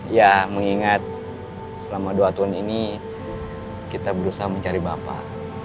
ya mengingat selama dua tahun ini kita berusaha mencari bapak